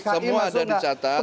semua ada dicatat dengan baik